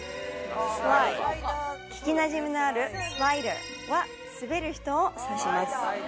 聞きなじみのある「Ｓｌｉｄｅｒ」は「滑る人」を指します。